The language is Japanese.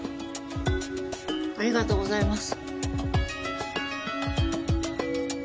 ありがとうございます。